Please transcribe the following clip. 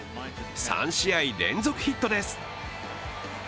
３試合連続ヒットです。